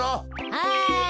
はい。